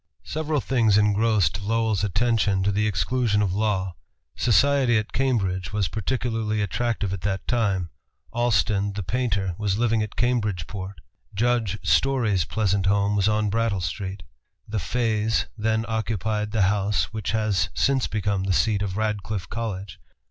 Several things engrossed Lowell's attention to the exclusion of law. Society at Cambridge was particularly attractive at that time. Allston the painter was living at Cambridgeport. Judge Story's pleasant home was on Brattle Street. The Fays then occupied the house which has since become the seat of Radcliffe College.